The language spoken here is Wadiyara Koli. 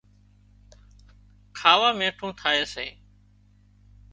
کاوا مينٺون ٿائي سي